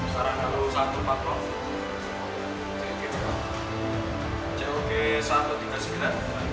kami berharap akan berjaya